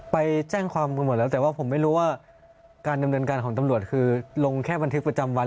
ไปแจ้งความกันหมดแล้วแต่ว่าผมไม่รู้ว่าการดำเนินการของตำรวจคือลงแค่บันทึกประจำวัน